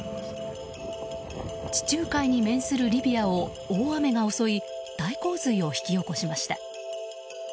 地中海に面するリビアを大雨が襲い大洪水を引き起こしました。